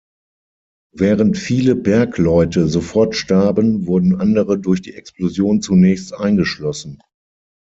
Während viele Bergleute sofort starben, wurden andere durch die Explosion zunächst eingeschlossen.